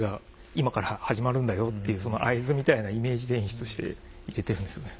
今から始まるんだよっていうその合図みたいなイメージで演出して入れてるんですよね。